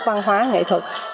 văn hóa nghệ thuật